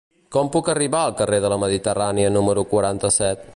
Com puc arribar al carrer de la Mediterrània número quaranta-set?